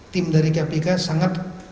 tim dari kpk sangat